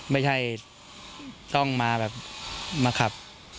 ไม่ใช่ต้องมาแบบมาขับ